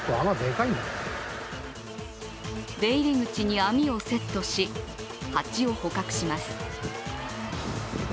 出入り口に網をセットし蜂を捕獲します。